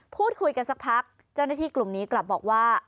พูดคุยกันสักพักเจ้าหน้าที่กลุ่มนี้กลับบอกว่า